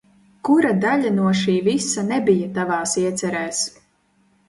Kura daļa no šī visa nebija tavās iecerēs?